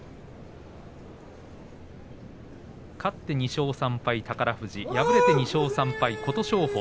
勝って２勝３敗、宝富士敗れて２勝３敗、琴勝峰。